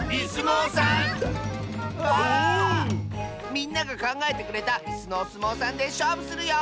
みんながかんがえてくれたイスのおすもうさんでしょうぶするよ！